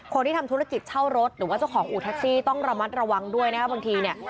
คนที่ทำธุรกิจเช่ารถหรือว่าเจ้าของอู่แท็กซี่ต้องระมัดระวังด้วยนะครับบางทีเนี่ย